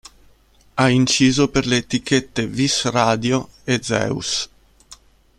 Ha inciso per le etichette Vis Radio e Zeus.